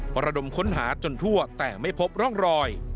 ประดมค้นหาจนทั่วแต่ไม่พบร่องรอย